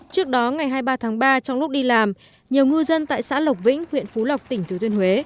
trước đó ngày hai mươi ba tháng ba trong lúc đi làm nhiều ngư dân tại xã lộc vĩnh huyện phú lộc tỉnh thứ tuyên huế